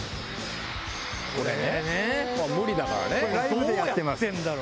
これね無理だからね。